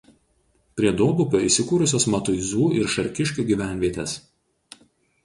Prie Duobupio įsikūrusios Matuizų ir Šarkiškių gyvenvietės.